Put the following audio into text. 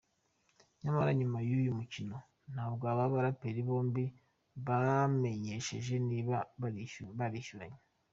Nyamara nyuma y’uyu mukino ntabwo aba baraperi bombi, bamenyesheje niba barishyuranye.